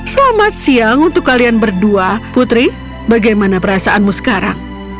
selamat siang untuk kalian berdua putri bagaimana perasaanmu sekarang